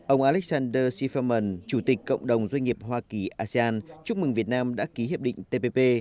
ông alexander siferman chủ tịch cộng đồng doanh nghiệp hoa kỳ asean chúc mừng việt nam đã ký hiệp định tpp